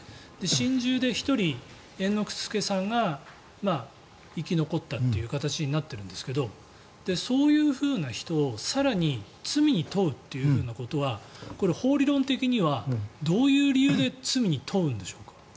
心中で１人、猿之助さんが生き残ったという形になっているんですがそういうふうな人を更に罪に問うというふうなことはこれ、法理論的にはどういう理由で罪に問うんでしょうか？